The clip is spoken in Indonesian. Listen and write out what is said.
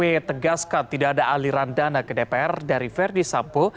menegaskan tidak ada aliran dana ke dpr dari ferdis sambo